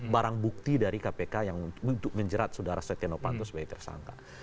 barang bukti dari kpk untuk menjerat sudara setianopanto sebagai tersangka